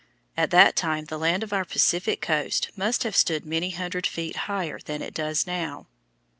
At that time the land of our Pacific coast must have stood many hundred feet higher than it does now.